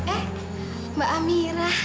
eh mbak amira